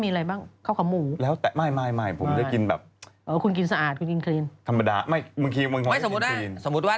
ใช่แล้วคุณคิดดูว่า